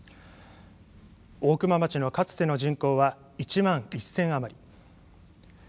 大熊町のかつての人口は１万１０００余り。